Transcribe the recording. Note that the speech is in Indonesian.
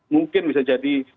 mungkin bisa jadi